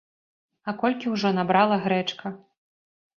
А колькі ўжо набрала грэчка!